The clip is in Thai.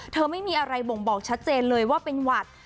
ไม่มีอะไรบ่งบอกชัดเจนเลยว่าเป็นหวัด